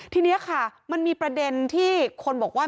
ทีนี้ค่ะมันมีประเด็นที่คนบอกว่า